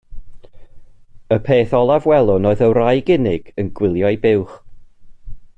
Y peth olaf welwn oedd y wraig unig, yn gwylio ei buwch.